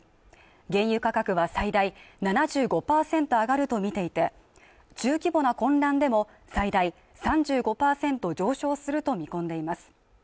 原油価格は最大７５％上がると見ていて中規模な混乱でも最大３５％上昇すると見込んでいます